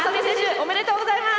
おめでとうございます！